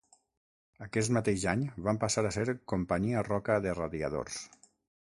Aquest mateix any, van passar a ser Companyia Roca de Radiadors.